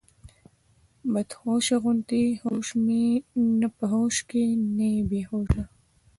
مدهوشه غوندي هوش مي نۀ پۀ هوش کښې نۀ بي هوشه